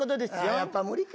やっぱ無理か。